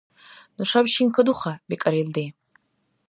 — Нушаб шин кадуха, — бикӀар илди.